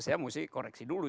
saya mesti koreksi dulu